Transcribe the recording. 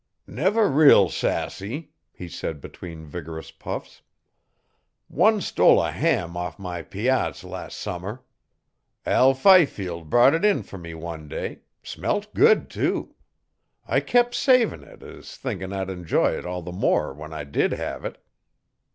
'Never real sassy,' he said between vigourous puffs. 'One stole a ham off my pyazz las' summer; Al Fifield brought 't in fer me one day smelt good too! I kep' savin' uv it thinkin' I'd enjoy it all the more when I did hev it.